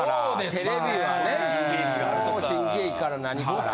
テレビはね新喜劇から何から。